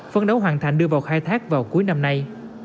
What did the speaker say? phân đấu hoàn thành đưa vào khai thác vào cuối năm nay